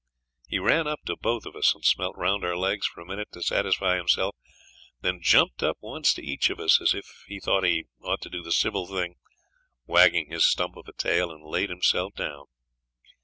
He ran up to both of us and smelt round our legs for a minute to satisfy himself; then jumped up once to each of us as if he thought he ought to do the civil thing, wagged his stump of a tail, and laid himself down.